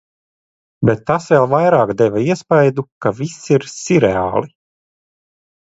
Bet tas vēl vairāk deva iespaidu, ka viss ir sirreāli.